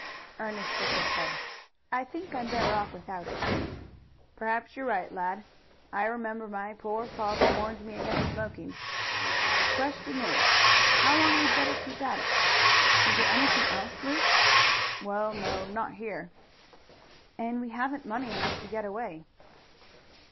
Ernest shook his head. "I think I'm better off without it." "Perhaps you're right, lad. I remember my poor father warned me against smoking. The question is, how long we'd better keep at it." "Is there anything else, Luke?" "Well, no; not here." "And we haven't money enough to get away."